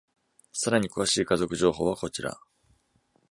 さらに詳しい家族情報はこちら。